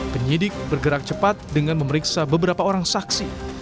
penyidik bergerak cepat dengan memeriksa beberapa orang saksi